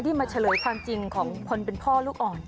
มาเฉลยความจริงของคนเป็นพ่อลูกอ่อน